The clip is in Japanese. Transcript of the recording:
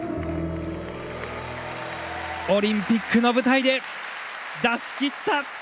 オリンピックの舞台で出し切った！